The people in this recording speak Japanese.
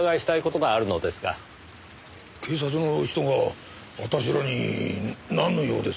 警察の人が私らになんの用です？